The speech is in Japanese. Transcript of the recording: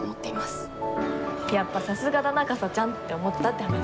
やっぱさすがだなかさちゃんって思ったって話。